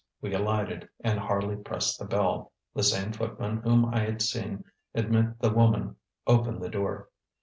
We alighted, and Harley pressed the bell. The same footman whom I had seen admit the woman opened the door.